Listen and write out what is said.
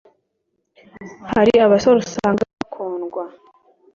Hari abasore usanga bakundwa